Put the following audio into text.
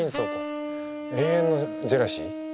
永遠のジェラシー。